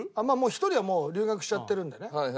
まあ１人はもう留学しちゃってるんでね。